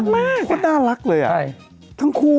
ไม่รู้